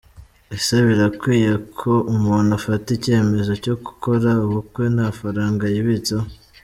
Ese birakwiye ko umuntu afata icyemezo cyo gukora ubukwe nta faranga yibitseho ?.